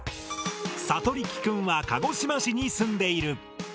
サトリキくんは鹿児島市に住んでいる。